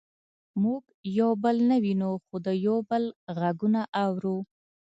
موږ یو بل نه وینو خو د یو بل غږونه اورو